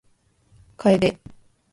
楓